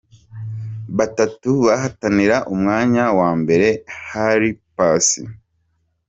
Batatu bahatanira umwanya wa mbere hari Pass.